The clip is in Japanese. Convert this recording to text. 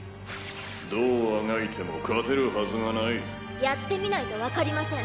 「どうあがいても勝てるはずがない」やってみないとわかりません。